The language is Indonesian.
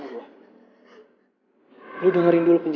itu armut kamu disamping